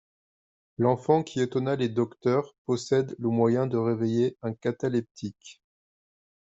L'enfant qui étonna les docteurs possède le moyen de réveiller un cataleptique.